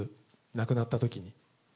亡くなったときに。